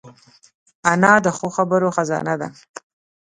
انا د ښو خبرو خزانه ده